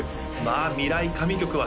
あ未来神曲は